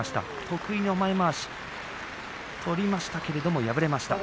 得意の前まわしを取りましたけれども敗れました。